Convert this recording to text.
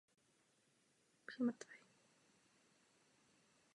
Tohle je přímo z Kafky.